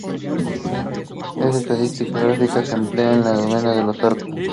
En estática gráfica se emplea en las dovelas de los arcos.